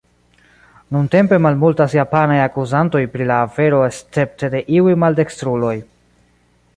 Nuntempe malmultas japanaj akuzantoj pri la afero escepte de iuj maldekstruloj.